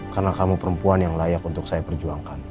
karena kamu perempuan yang layak untuk saya perjuangkan